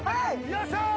よっしゃー！